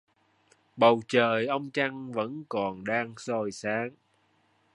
Bầu trời ông trăng vẫn còn đang soi sáng